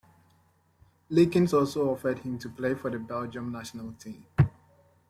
Leekens also offered him to play for the Belgium national team.